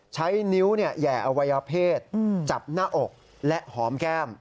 ใช้นิ้วแหย่อวัยเพศจับหน้าอกและหอมแก้ม